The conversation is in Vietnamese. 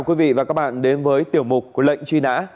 xin chào quý vị và các bạn đến với tiểu mục của lệnh truy nã